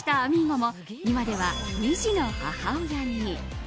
ゴも今では２児の母親に。